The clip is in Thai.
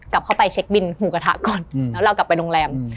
กลับเข้าไปเช็คบินหมูกระทะก่อนแล้วเรากลับไปโรงแรม